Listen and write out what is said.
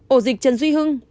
ổ dịch trần duy hưng một